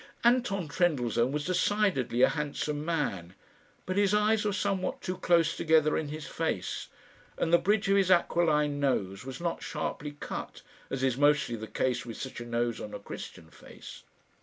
Anton Trendellsohn was decidedly a handsome man; but his eyes were somewhat too close together in his face, and the bridge of his aquiline nose was not sharply cut, as is mostly the case with such a nose on a Christian face.